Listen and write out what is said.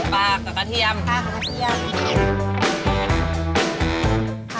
ปลากระเทียม